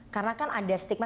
karena kan ada stigma